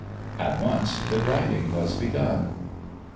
At once the grinding was begun.